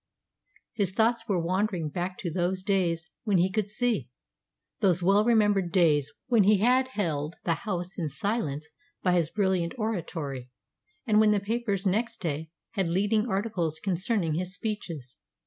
His thoughts were wandering back to those days when he could see those well remembered days when he had held the House in silence by his brilliant oratory, and when the papers next day had leading articles concerning his speeches.